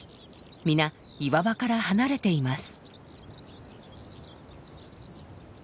皆岩場から離れています。